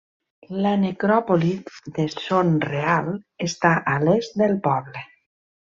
La Necròpoli de Son Real està a l'est del poble.